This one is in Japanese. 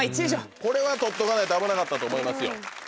これは取っとかないと危なかったと思いますよ。